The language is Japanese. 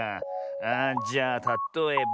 あじゃあたとえば。